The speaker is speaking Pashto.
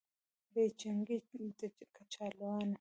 بې چکنۍ د کچالانو